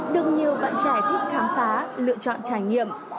được nhiều bạn trẻ thích khám phá lựa chọn trải nghiệm